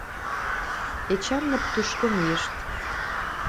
Эчанмыт тушко мийышт.